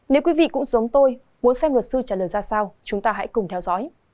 nếu quý vị cũng giống tôi muốn xem luật sư trả lời ra sao chúng ta hãy cùng theo dõi